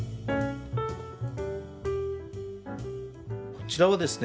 こちらはですね